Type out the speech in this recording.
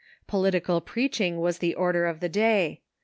Political preaching was the order of the day.